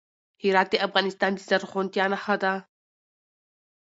هرات د افغانستان د زرغونتیا نښه ده.